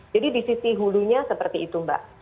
jadi di sisi hulunya seperti itu mbak